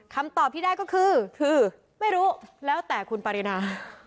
คำตอบที่ได้ก็คือคือไม่รู้แล้วแต่คุณปรินา